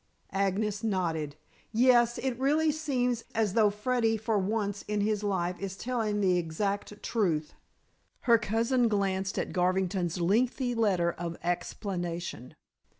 Agnes nodded. "Yes; it really seems as though Freddy for once in his life is telling the exact truth." Her cousin glanced at Garvington's lengthy letter of explanation.